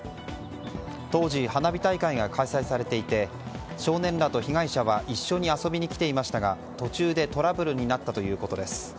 当時、花火大会が開催されていて少年らと被害者は一緒に遊びに来ていましたが途中でトラブルになったということです。